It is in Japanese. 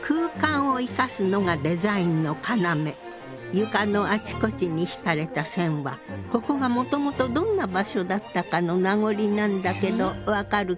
床のあちこちに引かれた線はここがもともとどんな場所だったかの名残なんだけど分かるかしら？